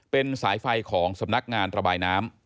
เป็นสายไฟของสำนักงานระบายน้ำ